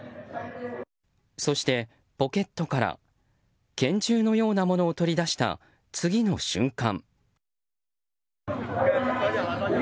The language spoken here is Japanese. そしてポケットから拳銃のようなものを取り出した次の瞬間。